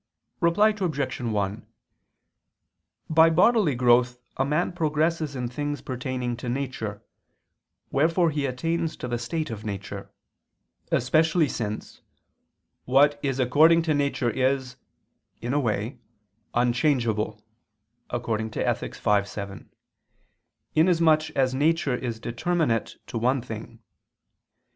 Reply Obj. 1: By bodily growth a man progresses in things pertaining to nature, wherefore he attains to the state of nature; especially since "what is according to nature is," in a way, "unchangeable" [*Ethic. v, 7], inasmuch as nature is determinate to one thing.